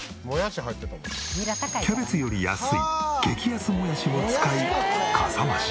キャベツより安い激安もやしを使いかさ増し。